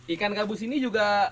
ikan gabus ini juga